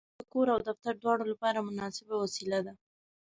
بوتل د کور او دفتر دواړو لپاره مناسبه وسیله ده.